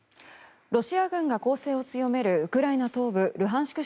ロシア軍が攻勢を強めるウクライナ東部ルハンシク